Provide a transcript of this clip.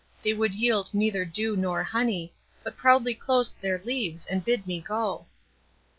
They would yield neither dew nor honey, but proudly closed their leaves and bid me go."